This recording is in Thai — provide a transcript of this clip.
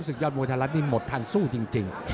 ยอดมวยไทยรัฐนี่หมดทันสู้จริง